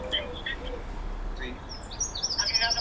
Tiene un gran tamaño coronal y radicular.